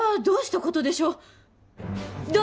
どうしたことでしょう！